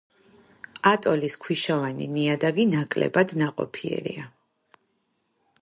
ატოლის ქვიშოვანი ნიადაგი ნაკლებად ნაყოფიერია.